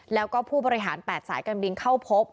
แล้วก็ผู้บริหาร๘สายการบินเข้าพบ